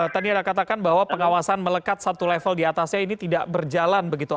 tadi anda katakan bahwa pengawasan melekat satu level diatasnya ini tidak berjalan begitu